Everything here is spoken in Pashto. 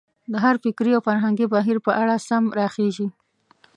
د هر فکري او فرهنګي بهیر په اړه سم راخېژي.